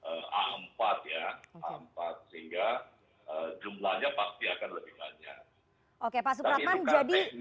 sehingga jumlahnya pasti akan lebih banyak